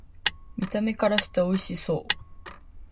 見た目からしておいしそう